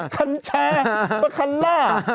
กัญชาแปลกคันล่า